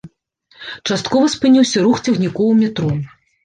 Часткова спыніўся рух цягнікоў у метро.